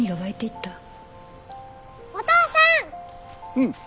うん。